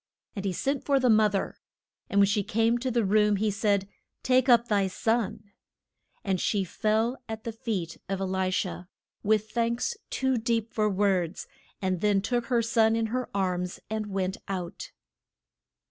And he sent for the moth er. And when she came to the room he said, Take up thy son. And she fell at the feet of E li sha, with thanks too deep for words, and then took her son in her arms and went out.